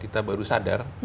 kita baru sadar